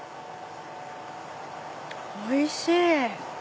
おいしい！